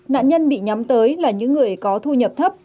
nạn nhân bị nhắm tới là những người có thu nhập thấp